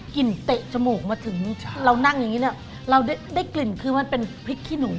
กลิ่นเตะจมูกมาถึงนี่เรานั่งอย่างงี้เนี่ยเรามันได้กลิ่นเป็นพริกขี้หนู